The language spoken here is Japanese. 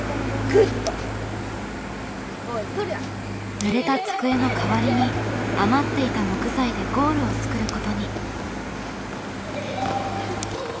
ぬれた机の代わりに余っていた木材でゴールを作ることに。